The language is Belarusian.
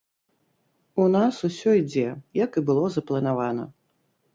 У нас усё ідзе, як і было запланавана.